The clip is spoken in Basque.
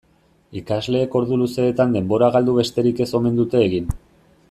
Ikasleek ordu luzeetan denbora galdu besterik ez omen dute egin.